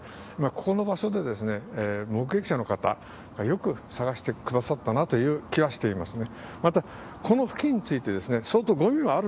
ここの場所で目撃者の方がよく探してくださったなという感じはしていますね。